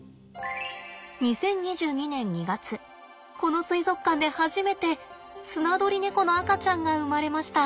２０２２年２月この水族館で初めてスナドリネコの赤ちゃんが生まれました。